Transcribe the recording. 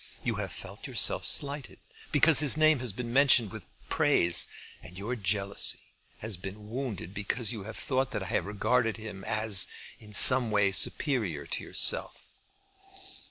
You have felt yourself slighted because his name has been mentioned with praise; and your jealousy has been wounded because you have thought that I have regarded him as in some way superior to yourself.